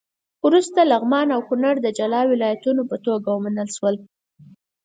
وروسته لغمان او کونړ د جلا ولایتونو په توګه ومنل شول.